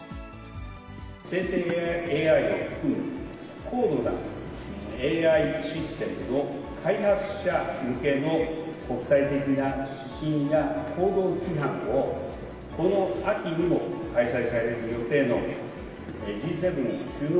生成ＡＩを含む高度なＡＩシステムの開発者向けの国際的な指針や行動規範を、この秋にも開催される予定のＧ７首脳